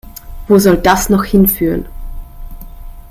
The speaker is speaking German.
Wo soll das noch hinführen?